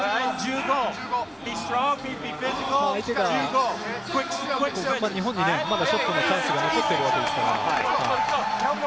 相手が日本にショットのチャンスが残っているわけですから。